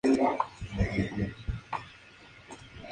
A partir de ahí se vieron en contadas ocasiones.